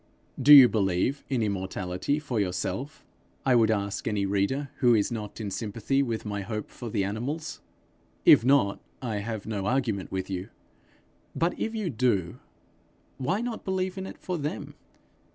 Do you believe in immortality for yourself? I would ask any reader who is not in sympathy with my hope for the animals. If not, I have no argument with you. But if you do, why not believe in it for them?